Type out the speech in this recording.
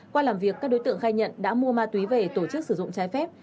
qua làm việc các đối tượng khai nhận đã mua ma túy về tổ chức sử dụng trái phép